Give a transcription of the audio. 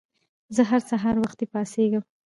زه هر سهار وخته پاڅيږم